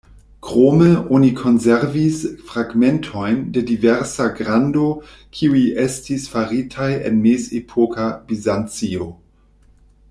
Krome, oni konservis fragmentojn de diversa grando, kiuj estis faritaj en mezepoka Bizancio.